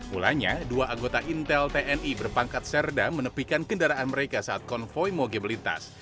mulanya dua anggota intel tni berpangkat serda menepikan kendaraan mereka saat konvoy moge melintas